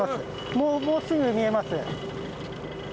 もうすぐ見えます。